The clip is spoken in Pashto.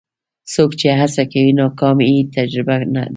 څوک چې هڅه کوي، ناکامي یې هم تجربه ده.